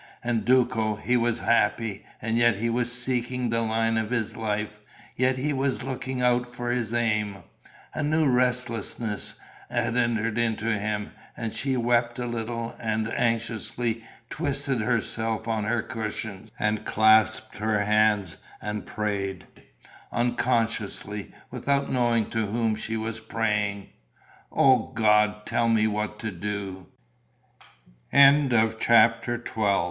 And Duco: he was happy. And yet he was seeking the line of his life, yet he was looking out for his aim. A new restlessness had entered into him. And she wept a little and anxiously twisted herself on her cushions and clasped her hands and prayed, unconsciously, without knowing to whom she was praying: "O God, tell me what to do!" CHAPTER XIII It